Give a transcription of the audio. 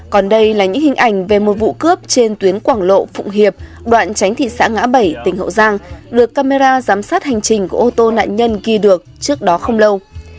còn đây là những hình ảnh về một vụ cướp trên tuyến quảng lộ phụng hiệp đoạn tránh thị xã ngã bảy tỉnh hậu giang được camera giám sát hành trình của ô tô nạn nhân ghi được trước đó không lâu